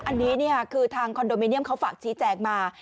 อันนี้คือทางคอนโดมิเนียมเขาฝากชี้แจงมา